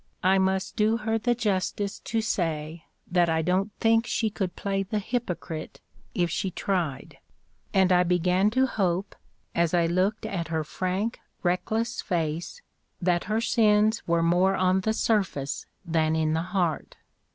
I must do her the justice to say that I don't think she could play the hypocrite if she tried; and I began to hope, as I looked at her frank reckless face, that her sins were more on the surface than in the heart.